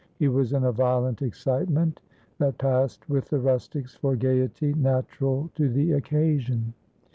He was in a violent excitement that passed with the rustics for gayety natural to the occasion.